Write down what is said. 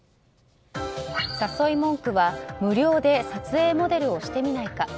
誘い文句は無料で撮影モデルをしてみないか。